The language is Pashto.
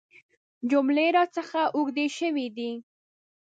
جملې راڅخه اوږدې شوي دي .